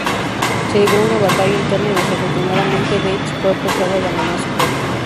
Se libró una batalla interna y desafortunadamente Deitch fue forzado a abandonar su puesto.